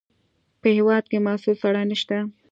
په هېواد کې مسوول سړی نشته.